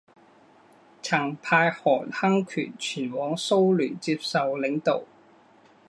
曾派韩亨权前往苏联接受领导。